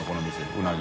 うなぎ。